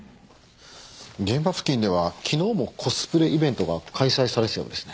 現場付近では昨日もコスプレイベントが開催されてたようですね。